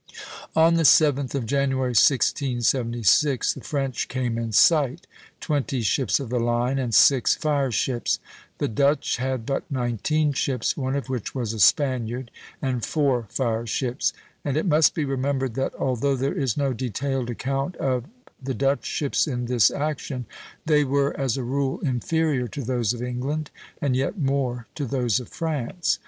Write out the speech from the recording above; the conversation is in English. On the 7th of January, 1676, the French came in sight, twenty ships of the line and six fire ships; the Dutch had but nineteen ships, one of which was a Spaniard, and four fire ships; and it must be remembered that, although there is no detailed account of the Dutch ships in this action, they were as a rule inferior to those of England, and yet more to those of France.